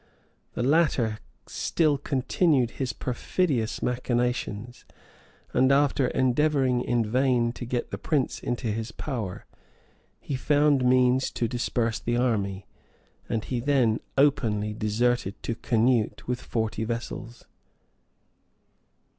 The latter still continued his perfidious machinations, and after endeavoring in vain to got the prince into his power, he found means to disperse the army, and he then openly deserted to Canute with forty vessels.